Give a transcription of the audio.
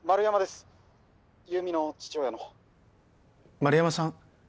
丸山さん？